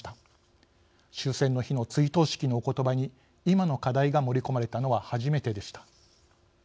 終戦の日の追悼式のおことばに今の課題が盛り込まれたのは初めてでした。